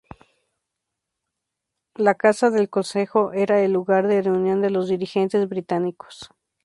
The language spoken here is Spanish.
La casa del consejo era el lugar de reunión de los dirigentes británicos.